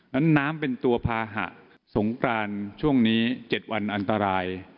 น้ำเป็นตัวภาหะสงกรานช่วงนี้๗วันอันตราย